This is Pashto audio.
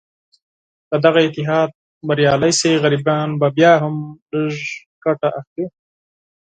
که دغه اتحاد بریالی شي، غریبان بیا هم لږه ګټه اخلي.